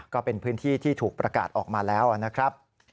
ก็เป็นพื้นที่ที่ถูกประกาศออกมาแล้วนะครับ